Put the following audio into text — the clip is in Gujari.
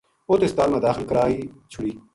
اُت ہسپتال ما داخل کرائی چھُڑی